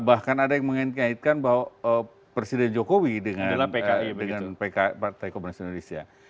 bahkan ada yang mengait ngaitkan bahwa presiden jokowi dengan partai komunis indonesia